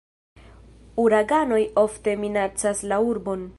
Uraganoj ofte minacas la urbon.